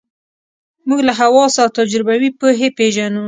موږ له حواسو او تجربوي پوهې پېژنو.